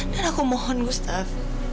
dan aku mohon gustaf